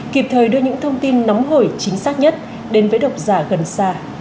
kịp thời đưa những thông tin nóng hổi chính xác nhất đến với độc giả gần xa